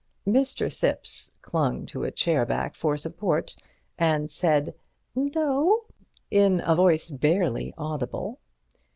Mr. Thipps clung to a chair back for support, and said "No" in a voice barely audible.